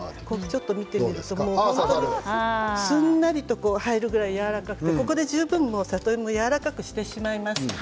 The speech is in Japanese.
すんなりと入るぐらいやわらかく煮てここで十分里芋をやわらかくしてしまいます。